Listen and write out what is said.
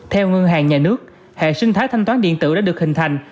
theo ngân hàng nhà nước hệ sinh thái thanh toán điện tử đã được hình thành